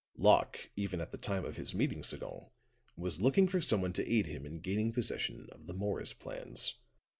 Locke, even at the time of his meeting Sagon, was looking for someone to aid him in gaining possession of the Morris plans.